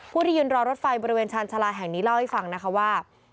ที่ยืนรอรถไฟบริเวณชาญชาลาแห่งนี้เล่าให้ฟังนะคะว่า